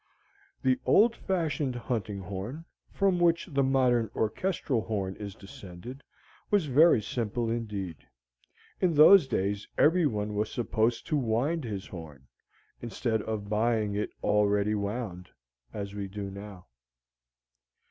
The old fashioned hunting horn, from which the modern orchestral horn is descended, was very simple indeed. In those days every one was supposed to wind his horn, instead of buying it already wound, as we do now.